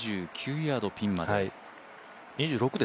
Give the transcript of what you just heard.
２６ヤード、ピンまで。